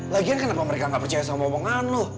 lagian kenapa mereka gak percaya sama omongan lu